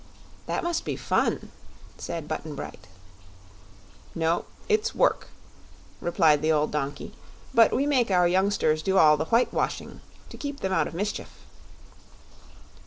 "That must be fun," said Button Bright. "No, it's work," replied the old donkey; "but we make our youngsters do all the whitewashing, to keep them out of mischief."